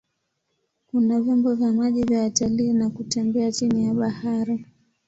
Kuna vyombo vya maji vya watalii na kutembea chini ya bahari.